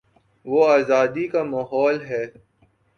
وہ آزادی کا ماحول ہے۔